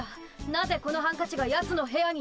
なぜこのハンカチがやつの部屋に。